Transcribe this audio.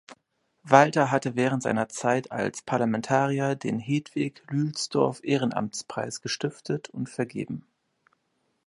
Walter hatte während seiner Zeit als Parlamentarier den Hedwig-Lülsdorf-Ehrenamtspreis gestiftet und vergeben.